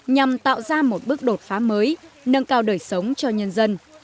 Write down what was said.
nhằm tạo ra một bước đột phá mới nâng cao đời sống cho nhân dân